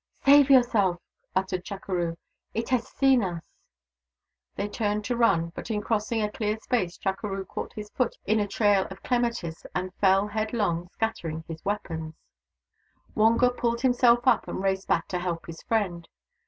" Save yourself !" uttered Chukeroo. " It has seen us !" They turned to run, but in crossing a clear space Chukeroo caught his foot in a trail of clematis and igo THE DAUGHTERS OF WONKAWALA fell headlong, scattering his weapons. Wonga pulled himself up, and raced back to help his friend.